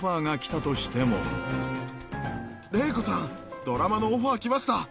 麗子さん、ドラマのオファー来ました。